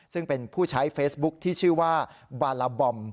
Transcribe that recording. ซึ่งเป็นผู้ใช้เฟซบุ๊คที่ชื่อว่าบาลาบอม